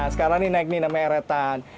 sekarang ini naik nih namanya eretan